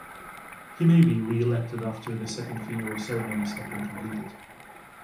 He may be reelected after the second funeral ceremonies have been completed.